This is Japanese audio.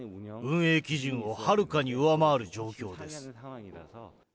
運営基準をはるかに上回る状況です。